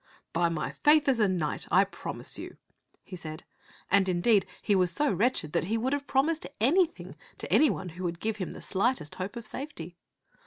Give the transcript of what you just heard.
"By my faith as a knight I promise you," he said; and, indeed, he was so wretched that he would have promised anything to any one who would give him the slightest hope of safety.